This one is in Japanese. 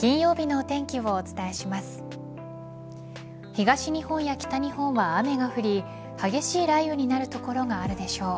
東日本や北日本は雨が降り激しい雷雨になる所があるでしょう。